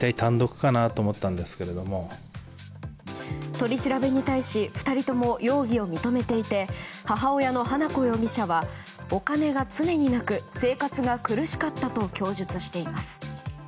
取り調べに対し２人とも容疑を認めていて母親の花子容疑者はお金が常になく生活が苦しかったと供述しています。